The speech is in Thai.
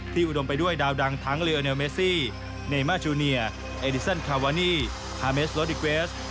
อุดมไปด้วยดาวดังทั้งเรือเนลเมซี่เนมาจูเนียเอดิสันคาวานี่ฮาเมสโลดิเกวส